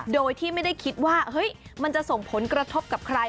โดยที่ไม่ได้คิดว่ามันจะส่งผลกระทบกับใคร